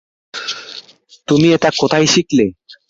তুমি এটা কোথায় শিখলে?